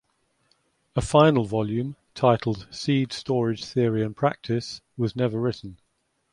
A final volume titled "Seed Storage Theory and Practice" was never written.